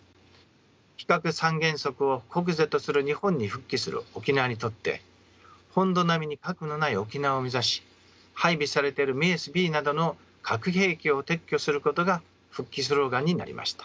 非核三原則を国是とする日本に復帰する沖縄にとって本土並みに核のない沖縄を目指し配備されているメースＢなどの核兵器を撤去することが復帰スローガンになりました。